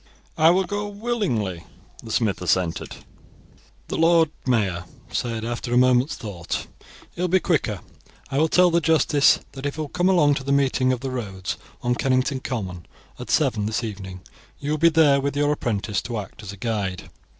"I will go willingly," the smith assented. The Lord Mayor said, after a moment's thought. "It will be quicker; I will tell the justice that if he will come to the meeting of the roads on Kennington Common, at seven this evening, you will be there with your apprentice to act as a guide."